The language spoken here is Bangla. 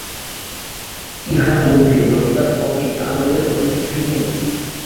ইহার মধ্যে ললিতার পক্ষে কি আনন্দের কথা কিছুই নাই?